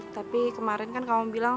tapi kemarin kan kamu bilang